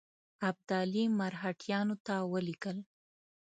ابدالي مرهټیانو ته ولیکل.